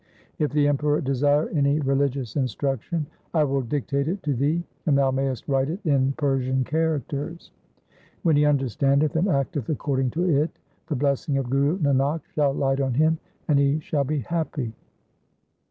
If the Emperor desire any religious instruction, I will dictate it to thee and thou mayest write it in Persian characters. When he understandeth and acteth according to it, the blessing of Guru Nanak shall light on him, and he shall be happy.'